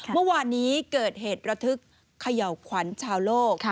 เมื่อวานนี้เกิดเหตุระทึกเขย่าขวัญชาวโลก